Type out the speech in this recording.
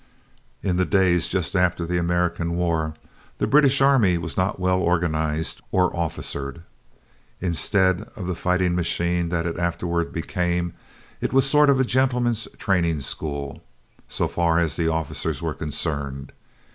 In the days just after the American War, the British army was not well organized or officered. Instead of the fighting machine that it afterward became, it was a sort of gentleman's training school, so far as the officers were concerned.